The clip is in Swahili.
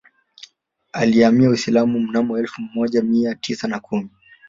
Aliyehamia Uislamu mnamo elfu moja Mia tisa na kumi